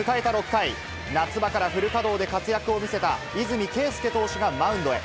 ６回、夏場からフル稼働で活躍を見せた、泉圭輔投手がマウンドへ。